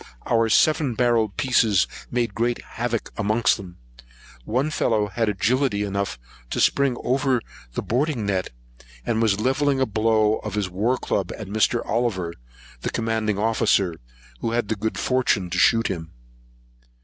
Our seven barrelled pieces made great havoc amongst them. One fellow had agility enough to spring over their boarding netting, and was levelling a blow with his war club at Mr. Oliver, the commanding officer, who had the good fortune to shoot him.